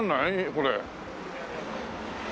これ。